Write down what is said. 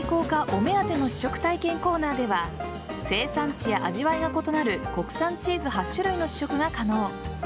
お目当ての試食体験コーナーでは生産地や味わいが異なる国産チーズ８種類の試食が可能。